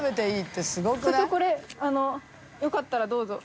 これあのよかったらどうぞ。